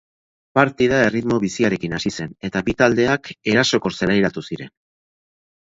Partida erritmo biziarekin hasi zen eta bi taldeak erasokor zelairatu ziren.